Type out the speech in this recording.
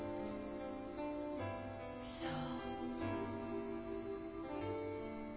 そう。